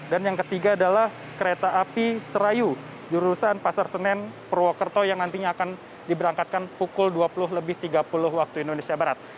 dan yang ketiga adalah kereta api serayu jurusan pasar senen purwokerto yang nantinya akan diberangkatkan pukul dua puluh lebih tiga puluh waktu indonesia barat